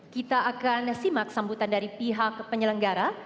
kita akan simak sambutan dari pihak penyelenggara